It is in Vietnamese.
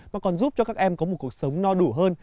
mà còn giúp cho các em có một cuộc sống no đủ hơn